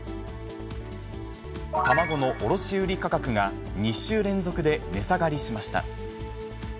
卵の卸売り価格が、２週連続で値下がりしました。